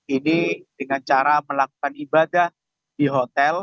ini dengan cara melakukan ibadah di hotel